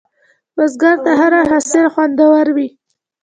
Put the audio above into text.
بزګر ته هره حاصل خوندور وي